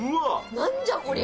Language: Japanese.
なんじゃ、こりゃ。